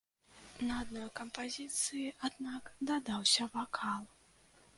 На адной кампазіцыі, аднак, дадаўся вакал.